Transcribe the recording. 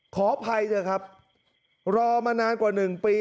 ขออภัยเถอะครับรอมานานกว่า๑ปี